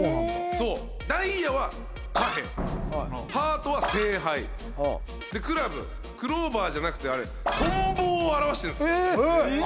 そうダイヤはでクラブクローバーじゃなくてあれ棍棒を表してるんですえっ！